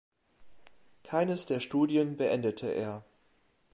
Keines der Studien beendete er.